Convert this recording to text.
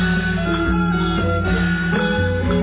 ทรงเป็นน้ำของเรา